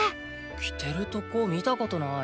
着てるとこ見たことない。